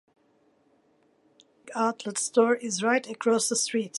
Good thing that Nike Outlet Store is right across the street.